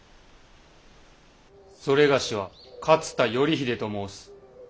それがしは勝田頼秀と申す。